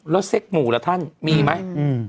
แล้วเซ็กหมู่ล่ะท่านมีไหม